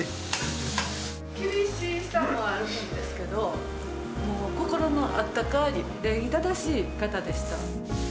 厳しさもあるんですけど、もう心のあったかい、礼儀正しい方でした。